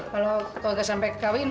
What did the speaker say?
kalau nggak sampai kawin